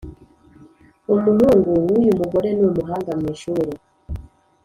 Umuhungu w uyu mugore ni umuhanga mu ishuri